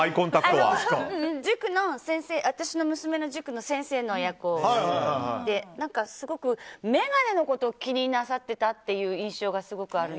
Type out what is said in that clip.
私の娘の塾の先生ですごく眼鏡のことを気になさっていた印象がすごくある。